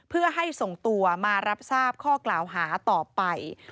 เพื่อให้ส่งตัวมารับทราบข้อกล่าวหาต่อไป